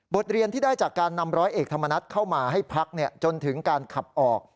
เรียนที่ได้จากการนำร้อยเอกธรรมนัฐเข้ามาให้พักจนถึงการขับออก